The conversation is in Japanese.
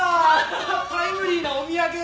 タイムリーなお土産！